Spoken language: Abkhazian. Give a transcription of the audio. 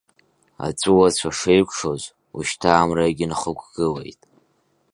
Аҵәуацәа шеикәшоз, ушьҭа амрагьы нхықәгылеит.